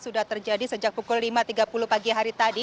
sudah terjadi sejak pukul lima tiga puluh pagi hari tadi